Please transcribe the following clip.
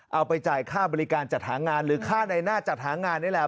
เอาไปจ่ายค่าบริการจัดหางานหรือค่าในหน้าจัดหางานนี่แหละ